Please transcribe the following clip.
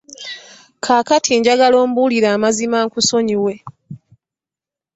Kaakati njagala ombuulire amazima nkusonyiwe.